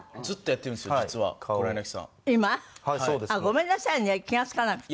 ごめんなさいね気がつかなくて。